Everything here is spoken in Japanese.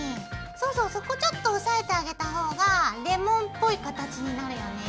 そうそうそこちょっと押さえてあげた方がレモンっぽい形になるよね。